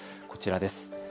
こちらです。